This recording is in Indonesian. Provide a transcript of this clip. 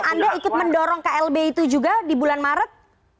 anda ikut mendorong klb itu juga di bulan maret